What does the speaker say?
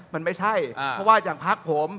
มันไม่ใช่เพราะว่าอย่างพักผม